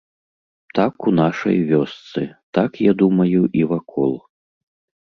Так у нашай вёсцы, так я думаю і вакол.